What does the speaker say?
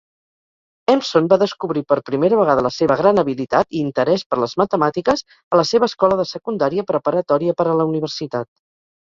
Empson va descobrir per primera vegada la seva gran habilitat i interès per les matemàtiques a la seva escola de secundària preparatòria per a la universitat.